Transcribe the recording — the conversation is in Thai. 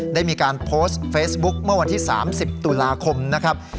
ได้มีการโพสต์เฟซบุ๊คเมื่อวันที่๓๐ตุลาคมนะครับ